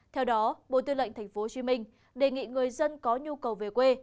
theo đó bộ tư lệnh thành phố hồ chí minh đề nghị người dân có nhu cầu về quê